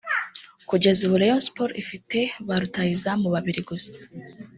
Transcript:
Kugeza ubu Rayon Sports ifite ba rutahizamu babiri gusa